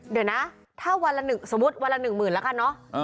เดี๋ยวนะถ้าวันละ๑สมมุติวันละ๑๐๐๐๐ละกันเนาะ